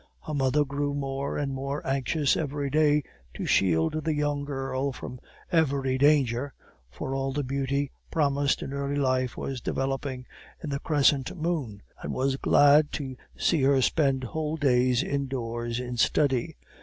Her mother grew more and more anxious every day to shield the young girl from every danger (for all the beauty promised in early life was developing in the crescent moon), and was glad to see her spend whole days indoors in study.